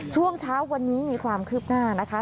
ช่วงเช้าวันนี้มีความคืบหน้านะคะ